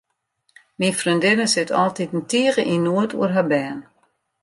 Myn freondinne sit altiten tige yn noed oer har bern.